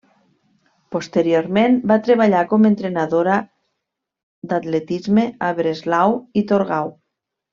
Posteriorment va treballar com entrenadora d'atletisme a Breslau i Torgau.